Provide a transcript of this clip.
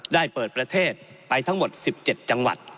ได้เปิดประเทศไปทั้งหมด๑๗จังหวัด